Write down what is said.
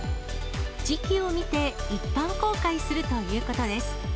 時期を見て、一般公開するということです。